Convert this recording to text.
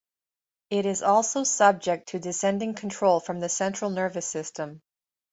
It is also subject to descending control from the central nervous system.